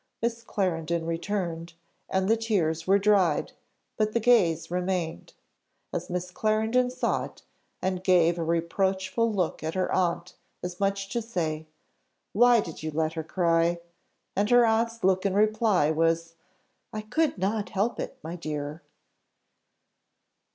Miss Clarendon returned, and the tears were dried, but the glaze remained, and Miss Clarendon saw it, and gave a reproachful look at her aunt, as much as to say, "Why did you let her cry?" And her aunt's look in reply was, "I could not help it, my dear."